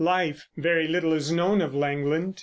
....?) LIFE. Very little is known of Langland.